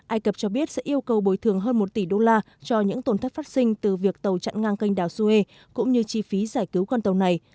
ai cập cho biết sẽ yêu cầu bồi thường hơn một tỷ đô la cho những tổn thất phát sinh từ việc tàu chặn ngang canh đảo suez cũng như chi phí giải cứu con tàu này